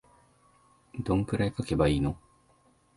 どんくらい書けばいいの